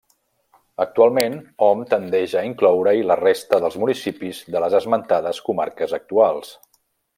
Actualment, hom tendeix a incloure-hi la resta dels municipis de les esmentades comarques actuals.